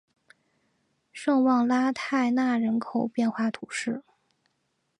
圣旺拉泰讷人口变化图示